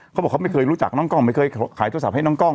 เขาบอกเขาไม่เคยรู้จักน้องกล้องไม่เคยขายโทรศัพท์ให้น้องกล้อง